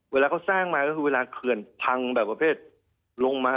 เวลาเขาสร้างมาก็คือเวลาเขื่อนพังแบบประเภทลงมา